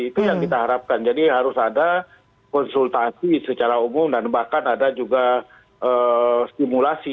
itu yang kita harapkan jadi harus ada konsultasi secara umum dan bahkan ada juga stimulasi